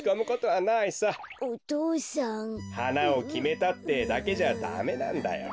はなをきめたってだけじゃダメなんだよ。